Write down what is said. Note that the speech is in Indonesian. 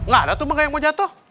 gak ada tuh bangga yang mau jatuh